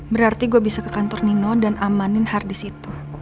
berarti gue bisa ke kantor nino dan amanin hard di situ